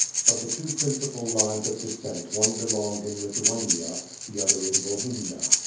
Of the two principal lines of descent one belonged in Lithuania, the other in Volhynia.